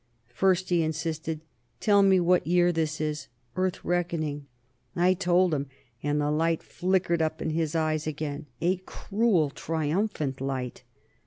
"First," he insisted, "tell me what year this is, Earth reckoning." I told him, and the light flickered up in his eyes again a cruel, triumphant light.